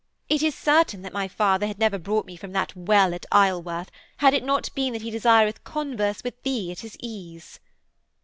'It is certain that my father had never brought me from that well at Isleworth, had it not been that he desireth converse with thee at his ease.'